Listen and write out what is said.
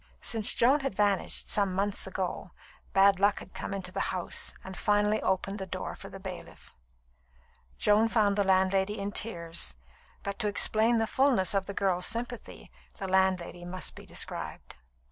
Since Joan had vanished, some months ago, bad luck had come into the house and finally opened the door for the bailiff. Joan found the landlady in tears; but to explain the fulness of the girl's sympathy, the landlady must be described.